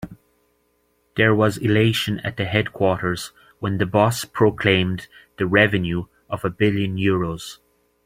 There was elation at the headquarters when the boss proclaimed the revenue of a billion euros.